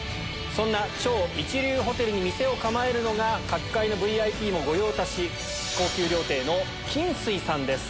そんな超一流ホテルに店を構えるのが各界のＶＩＰも御用達高級料亭の。